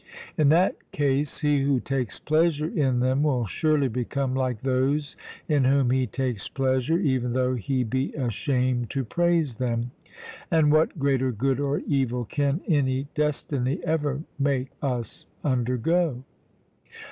In that case, he who takes pleasure in them will surely become like those in whom he takes pleasure, even though he be ashamed to praise them. And what greater good or evil can any destiny ever make us undergo?